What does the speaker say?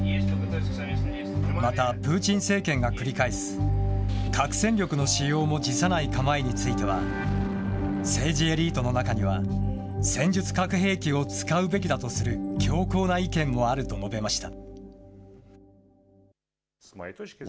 また、プーチン政権が繰り返す核戦力の使用も辞さない構えについては、政治エリートの中には、戦術核兵器を使うべきだとする強硬な意見もあると述べました。